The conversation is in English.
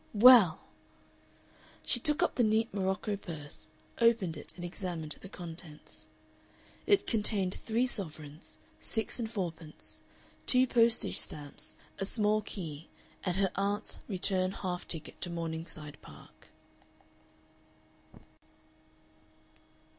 "Well!" She took up the neat morocco purse, opened it, and examined the contents. It contained three sovereigns, six and fourpence, two postage stamps, a small key, and her aunt's return half ticket to Morningside Park.